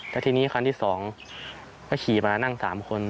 แล้วทีนี้คันที่๒ก็ขี่มานั่ง๓คน